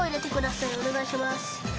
おねがいします。